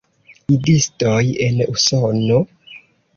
Idistoj en Usono?